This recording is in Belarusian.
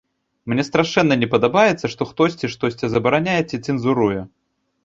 Мне страшэнна не падабаецца, што хтосьці штосьці забараняе ці цэнзуруе.